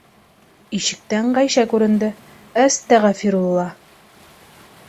Ишектән Ғәйшә күренде: - Әстәғфирулла.